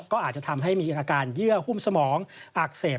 ก็อาจจะทำให้มีอาการเยื่อหุ้มสมองอักเสบ